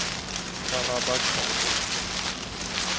敢若捌看過